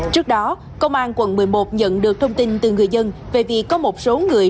trước đó công an quận một mươi một nhận được thông tin từ người dân về việc có một số người